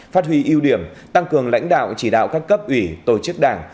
phát huy ưu điểm tăng cường lãnh đạo chỉ đạo các cấp ủy tổ chức đảng